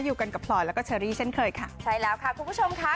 อยู่กันกับพลอยแล้วก็เชอรี่เช่นเคยค่ะใช่แล้วค่ะคุณผู้ชมค่ะ